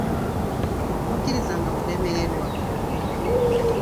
Tokkirizanga kulemererwa.